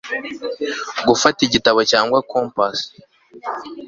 gufata igitabo cyangwa compas